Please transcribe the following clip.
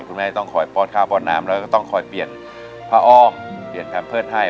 คุณแม่ต้องคอยป้อนข้าวป้อนน้ำแล้วก็ต้องคอยเปลี่ยนผ้าอ้อมเปลี่ยนแพมเพิร์ตให้